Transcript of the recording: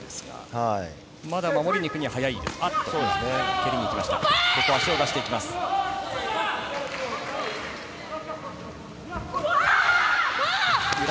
まだ守りにいくには早いですか？